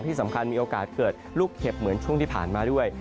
ที่สำคัญมีโอกาสเกิดลูกเห็บเหมือนช่วงที่ผ่านมาด้วย